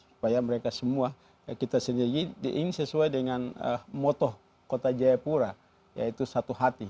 supaya mereka semua kita sendiri ingin sesuai dengan moto kota jayapura yaitu satu hati